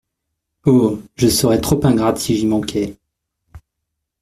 Oh ! je serais trop ingrate si j'y manquais.